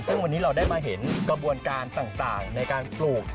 ซึ่งวันนี้เราได้มาเห็นกระบวนการต่างในการปลูก